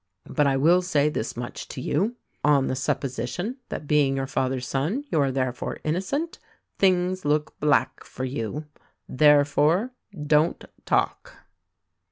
But I will say this much to you — on the supposition that being your father's son you are therefore innocent; things look black for you, therefore, don't talk."